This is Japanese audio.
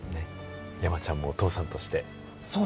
山ちゃんもお父さんとして。